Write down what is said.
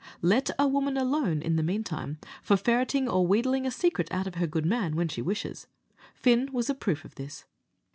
Let a woman alone, in the meantime, for ferreting or wheedling a secret out of her good man, when she wishes. Fin was a proof of this.